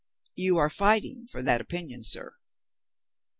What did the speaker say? "You are fighting for that opinion, sir."